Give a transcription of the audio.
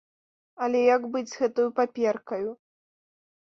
Але як быць з гэтаю паперкаю?